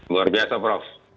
luar biasa prof